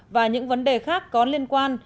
và những vấn đề khác có liên quan